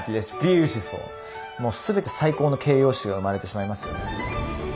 もう全て最高の形容詞が生まれてしまいますよね。